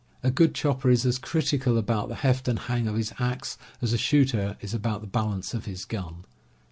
A good chopper is as critical about the heft and hang of his axe as a shooter is about the bal ance of his gun.